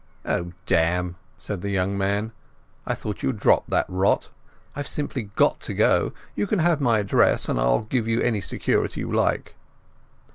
"Oh, damn," said the young man. "I thought you had dropped that rot. I've simply got to go. You can have my address, and I'll give any security you like."